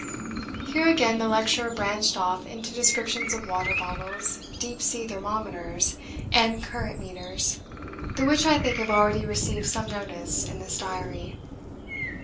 Here again the lecturer branched off into descriptions of water bottles, deep sea thermometers, and current meters, the which I think have already received some notice in this diary.